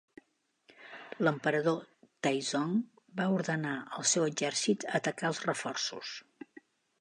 L'emperador Taizong va ordenar al seu exèrcit atacar els reforços.